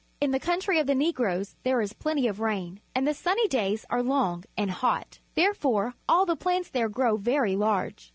In the country of the Negroes there is plenty of rain, and the sunny days are long and hot. Therefore all the plants there grow very large.